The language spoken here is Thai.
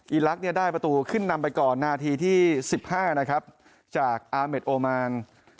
อลักษณ์ได้ประตูขึ้นนำไปก่อนนาทีที่๑๕นะครับจากอาเมดโอมาน